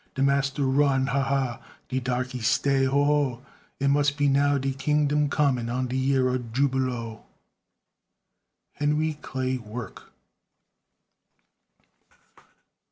De massa run, ha, ha! De darkey stay, ho, ho! It mus' be now de kingdum comin', An' de yar ob jubilo. HENRY CLAY WORK.